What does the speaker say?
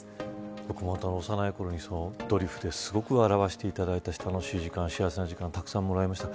僕も幼いころにドリフですごく笑わせていただいた楽しい、幸せな時間たくさんもらいました。